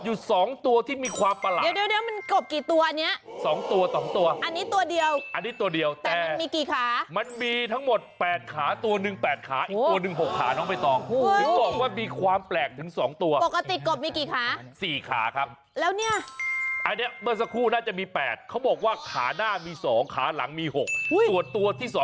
เห็นมะมีสีทองกับอีกสีที่แบบคล้ายปกติ